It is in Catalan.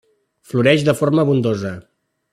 Floreix de forma abundosa.